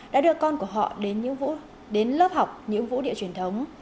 đã đưa con của họ đến lớp học những vũ điệu truyền thống